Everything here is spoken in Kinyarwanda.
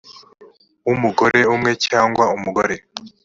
w umugore umwe cyangwa umugore